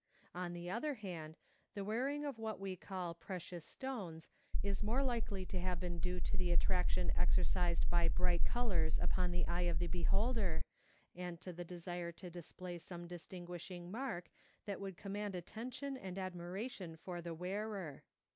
On the other hand, the wearing of what we call precious stones is more likely to have been due to the attraction exercised by bright colors upon the eye of the beholder and to the desire to display some distinguishing mark that would command attention and admiration for the wearer.